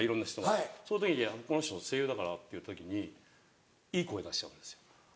そういう時に「この人声優だから」っていう時にいい声出しちゃうんですよ。